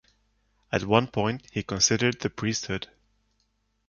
At one point, he considered the priesthood.